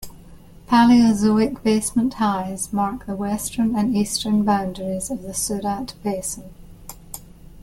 Palaeozoic basement highs mark the western and eastern boundaries of the Surat Basin.